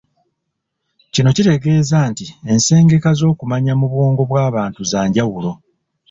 Kino kitegeeza nti ensengeka z'okumanya mu bwongo bw'abantu za njawulo